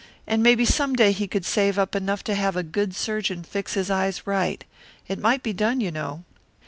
And maybe some day he could save up enough to have a good surgeon fix his eyes right. It might be done, you know."